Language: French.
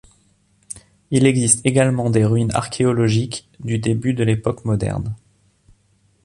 Il existe également des ruines archéologiques du début de l'époque moderne.